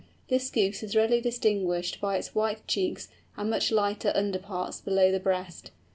This Goose is readily distinguished by its white cheeks, and much lighter underparts below the breast.